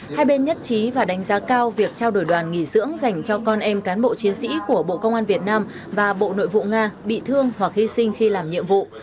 hai bên nhất trí và đánh giá cao việc trao đổi đoàn nghỉ dưỡng dành cho con em cán bộ chiến sĩ của bộ công an việt nam và bộ nội vụ nga bị thương hoặc hy sinh khi làm nhiệm vụ